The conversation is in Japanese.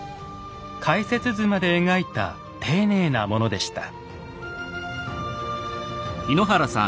解説図まで描いた丁寧なものでした。